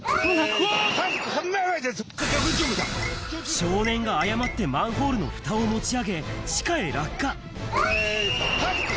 少年が誤ってマンホールのふたを持ち上げ、地下へ落下。